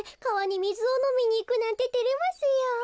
かわにみずをのみにいくなんててれますよ。